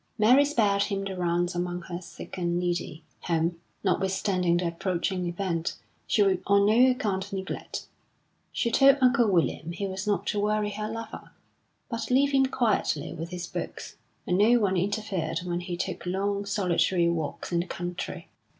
Mary spared him the rounds among her sick and needy, whom, notwithstanding the approaching event, she would on no account neglect. She told Uncle William he was not to worry her lover, but leave him quietly with his books; and no one interfered when he took long, solitary walks in the country.